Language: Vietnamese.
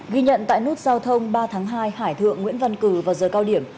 ghi nhận tại nút giao thông ba tháng hai hải thượng nguyễn văn cử vào giờ cao điểm